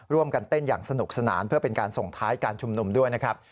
ร่วมกันเต้นอย่างสนุกสนานเพื่อเป็นการส่งท้ายการชุมนุมด้วยนะครับ